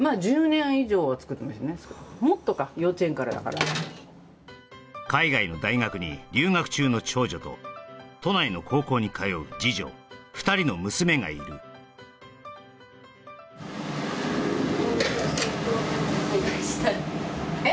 お弁当海外の大学に留学中の長女と都内の高校に通う次女２人の娘がいるえっ？